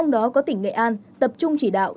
đây hai mươi điếu